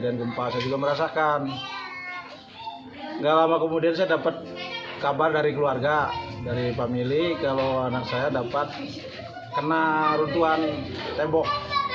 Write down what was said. tidak lama kemudian saya dapat kabar dari keluarga dari pemilik kalau anak saya dapat kena runtuhan tembok